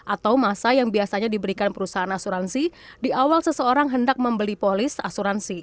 atau masa yang biasanya diberikan perusahaan asuransi di awal seseorang hendak membeli polis asuransi